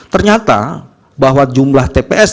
ternyata bahwa jumlah tps